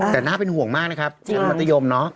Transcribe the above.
แต่น่าเป็นห่วงมากนะครับชั้นมัธยมเนาะ